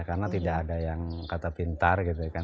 karena tidak ada yang kata pintar gitu kan